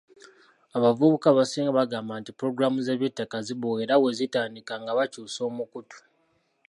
Abavubuka abasinga bagamba nti pulogulaamu z'eby'ettaka zibowa era bwe zitandika nga bakyusa omukutu.